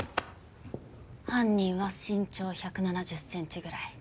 犯人は身長１７０ｃｍぐらい。